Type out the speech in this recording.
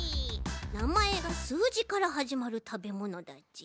なまえがすうじからはじまるたべものだち？